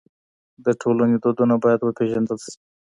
د ټولني دودونه بايد وپېژندل سي.